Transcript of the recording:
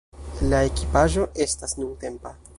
La ekipaĵo estas nuntempa.